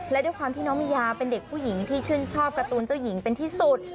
และด้วยความที่น้องมิยาเป็นเด็กผู้หญิงที่ชื่นชอบการ์ตูนเจ้าหญิงเป็นที่สุด